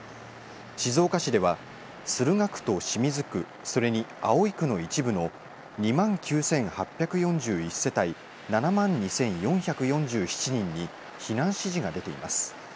静岡市では駿河区と清水区、それに葵区の一部の２万９８４１世帯７万２４４７人に避難指示が出ています。